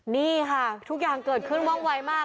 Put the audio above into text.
นี่ค่ะทุกอย่างเกิดขึ้นว่องไวมาก